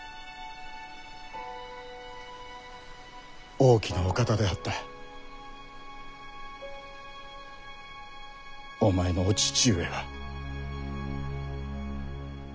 大きなお方であったお前のお父上は。